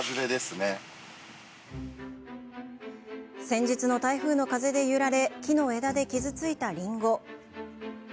先日の台風の風で揺られ木の枝で傷ついたりんご。